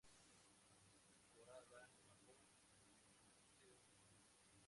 Esporada marrón violáceo oscuro.